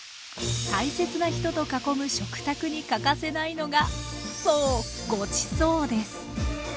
大切な人と囲む食卓に欠かせないのがそうごちそうです。